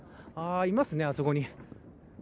いますね、あそこに。